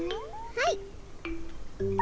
はい。